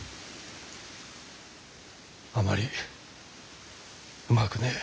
あまりうまくねえ。